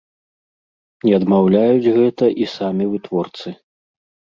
Не адмаўляюць гэта і самі вытворцы.